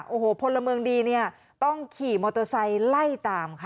โอ้โหพลเมืองดีเนี่ยต้องขี่มอเตอร์ไซค์ไล่ตามค่ะ